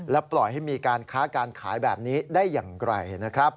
ปล่อยให้มีการค้าการขายแบบนี้ได้อย่างไรนะครับ